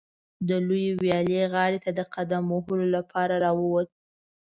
د لویې ویالې غاړې ته د قدم وهلو لپاره راووت.